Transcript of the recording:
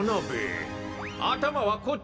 あたまはこっちだ。